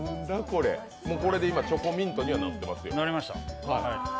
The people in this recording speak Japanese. これこれで今、チョコミントになってますよ。